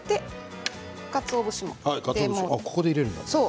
ここで入れるんか。